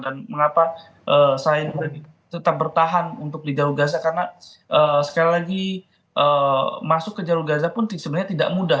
dan mengapa saya tetap bertahan untuk di jawa gansu karena sekali lagi masuk ke jawa gansu pun sebenarnya tidak mudah